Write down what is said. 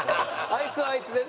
あいつはあいつでね。